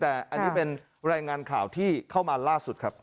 แต่อันนี้เป็นรายงานข่าวที่เข้ามาล่าสุดครับ